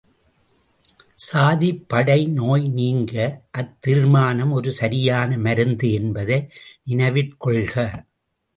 சாதிப் படை நோய் நீங்க அத்தீர்மானம் ஒரு சரியான மருந்து என்பதை நினைவிற்கொள்க.